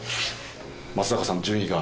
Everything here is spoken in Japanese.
松坂さんの順位が。